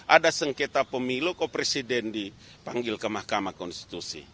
ada sengketa pemilu kok presiden dipanggil ke mahkamah konstitusi